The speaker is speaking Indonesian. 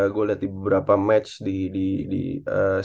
gue lihat di beberapa match di di di eee